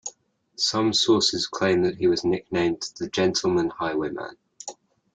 Some sources claim that he was nicknamed "The Gentleman Highwayman".